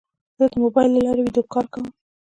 زه د موبایل له لارې ویدیو کال کوم.